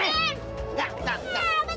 enggak enggak enggak